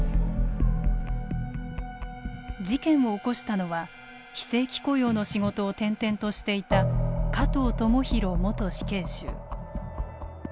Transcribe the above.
事件を起こしたのは非正規雇用の仕事を転々としていた加藤智大元死刑囚。